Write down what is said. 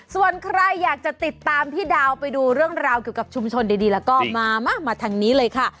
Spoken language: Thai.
ส่วนใครอยากจะติดตามพี่ดาวไปดูเรื่องราวเกี่ยวกับชุมชนดีแล้วก็มามาทางนี้เลยค่ะ